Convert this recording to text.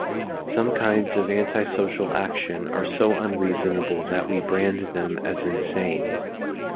Some kinds of antisocial action are so unreasonable that we brand them as insane.